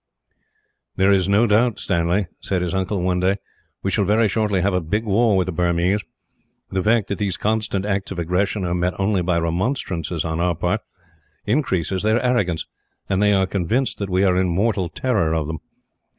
"There is no doubt, Stanley," said his uncle one day, "we shall very shortly have a big war with the Burmese. The fact that these constant acts of aggression are met only by remonstrances, on our part, increases their arrogance; and they are convinced that we are in mortal terror of them.